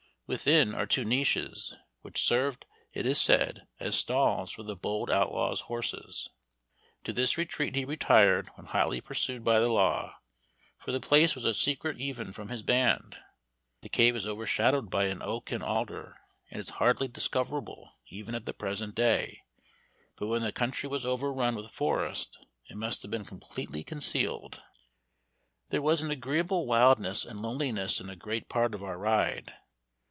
Within are two niches, which served, it is said, as stalls for the bold outlaw's horses. To this retreat he retired when hotly pursued by the law, for the place was a secret even from his band. The cave is overshadowed by an oak and alder, and is hardly discoverable even at the present day; but when the country was overrun with forest it must have been completely concealed. There was an agreeable wildness and loneliness in a great part of our ride.